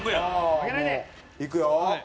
いくよ。